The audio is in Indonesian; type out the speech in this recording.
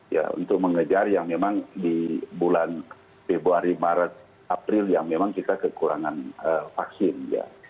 ya untuk mengejar yang memang di bulan februari maret april yang memang kita kekurangan vaksin ya